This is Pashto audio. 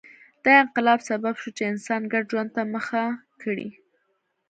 دا انقلاب سبب شو چې انسان ګډ ژوند ته مخه کړي